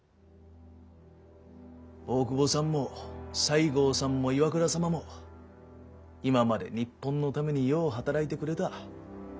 大久保さんも西郷さんも岩倉様も今まで日本のためによう働いてくれた。